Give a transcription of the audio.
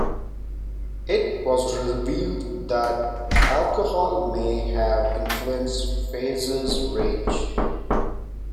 It was revealed that alcohol may have influenced Fraser's rage.